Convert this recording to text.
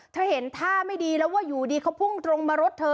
เห็นท่าไม่ดีแล้วว่าอยู่ดีเขาพุ่งตรงมารถเธอ